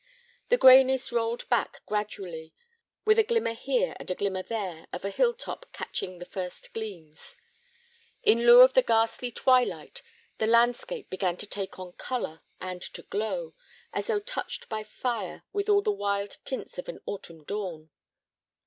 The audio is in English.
The grayness rolled back gradually, with a glimmer here and a glimmer there of a hill top catching the first gleams. In lieu of the ghastly twilight the landscape began to take on color, and to glow, as though touched by fire, with all the wild tints of an autumn dawn.